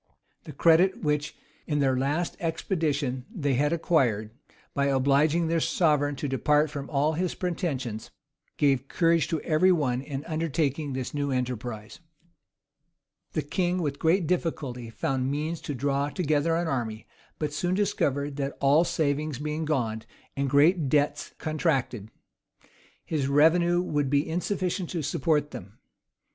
The credit which in their last expedition they had acquired, by obliging their sovereign to depart from all his pretensions, gave courage to every one in undertaking this new enterprise.[] * Rush vol. iii. p. 955. Clarendon, vol. i. p. 125. Rush vol. iii. p. 1023. {1640.} The king, with great difficulty, found means to draw together an army; but soon discovered that all savings being gone, and great debts contracted, his revenue would be insufficient to support them.